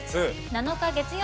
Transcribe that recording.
７日月曜。